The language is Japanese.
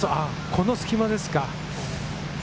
この隙間ですか。